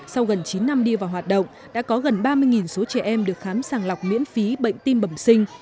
sau gần chín năm đi vào hoạt động đã có gần ba mươi số trẻ em được khám sàng lọc miễn phí bệnh tim bẩm sinh